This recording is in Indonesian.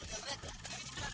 serangin aku mas